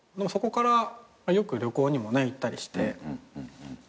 そこからよく旅行にも行ったりして。